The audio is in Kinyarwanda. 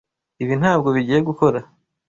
Ibi ntabwo bigiye gukora.